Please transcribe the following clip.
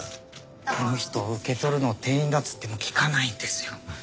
あの人受け取るの店員だって言っても聞かないんですよ。